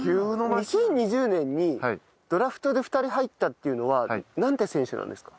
２０２０年にドラフトで２人入ったっていうのはなんて選手なんですか？